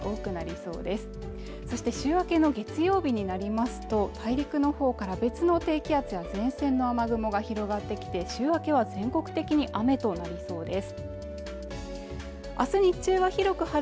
そして週明けの月曜日になりますと大陸のほうから別の低気圧や前線の雨雲が広がってきて週明けは全国的に雨となりそうです